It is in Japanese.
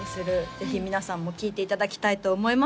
ぜひ皆さんも聴いていただきたいと思います